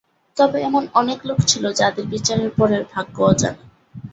তবে এমন অনেক লোক ছিল যাদের বিচারের পরের ভাগ্য অজানা।